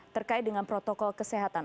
terkait dengan protokol kesehatan